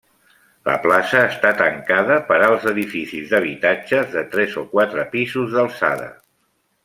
La plaça està tancada per alts edificis d'habitatges de tres o quatre pisos d'alçada.